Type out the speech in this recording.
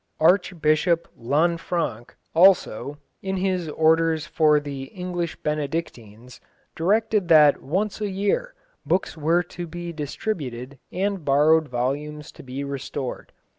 Archbishop Lanfranc, also, in his orders for the English Benedictines, directed that once a year books were to be distributed and borrowed volumes to be restored.